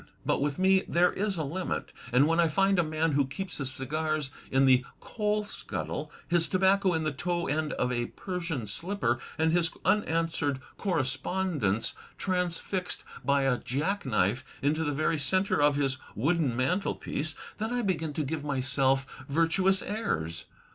But with me there is a limit, and when I find a man who keeps his cigars in the coal scuttle, his tobacco in the toe end of a Persian slipper, and his unanswered correspondence transfbced by a jack knife into the very centre of his Wooden mantelpiece, then I begin to give my^f virtuous airs.